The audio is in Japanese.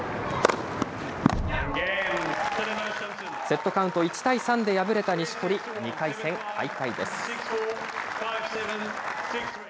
セットカウント１対３で敗れた錦織、２回戦敗退です。